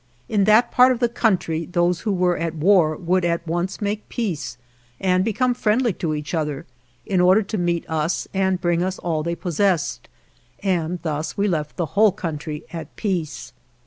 In that part of the country those who were at war would at once make peace and become friendly to each other, in order to meet us and bring us all they pos sessed ; and thus we left the whole country at peace.